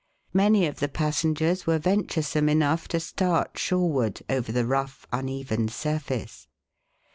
Many of the passengers were venturesome enough to start shoreward over the rough, uneven surface.